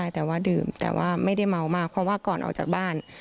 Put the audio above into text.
แต่ว่าไม่ได้เมามากเพราะว่าก่อนออกจากบ้าน